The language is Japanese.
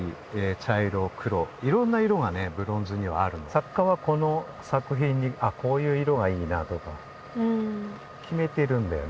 作家はこの作品にこういう色がいいなとか決めてるんだよね。